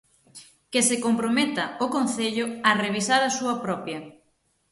Que se comprometa o Concello a revisar a súa propia.